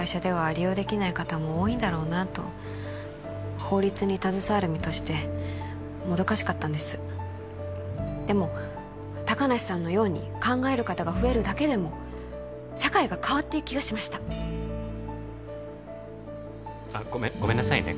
利用できない方も多いんだろうなと法律に携わる身としてもどかしかったんですでも高梨さんのように考える方が増えるだけでも社会が変わっていく気がしましたごめんなさいね